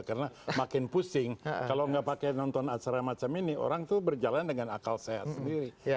karena makin pusing kalau nggak pakai nonton astra macam ini orang tuh berjalan dengan akal sehat sendiri